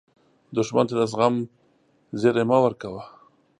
دښمن ته د زغم زیری مه ورکوه